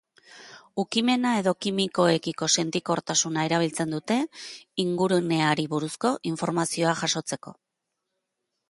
Ukimena edo kimikoekiko sentikortasuna erabiltzen dute, inguruneari buruzko informazioa jasotzeko.